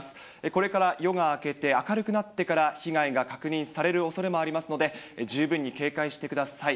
これから夜が明けて明るくなってから被害が確認されるおそれもありますので、十分に警戒してください。